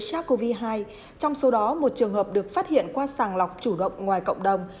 sars cov hai trong số đó một trường hợp được phát hiện qua sàng lọc chủ động ngoài cộng đồng